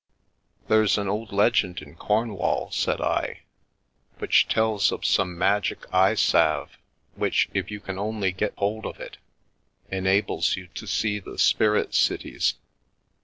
" There's an old legend in Cornwall," said I, " which tells of some magic eye salve, which, if you can only get hold of it, enables you to see the spirit cities.